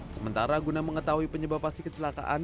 sementara guna mengetahui penyebab pasti kecelakaan